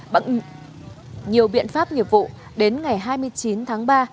bằng nhiều biện pháp nghiệp vụ đến ngày hai mươi chín tháng ba